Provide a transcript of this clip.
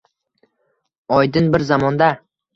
Oydin bir zamonda